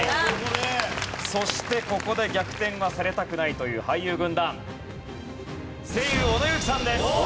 そしてここで逆転はされたくないという俳優軍団声優小野友樹さんです。